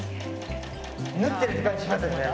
縫ってるって感じしますよね。